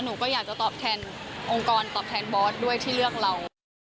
หนูก็อยากจะตอบแทนองค์กรตอบแทนบอสด้วยที่เลือกเรา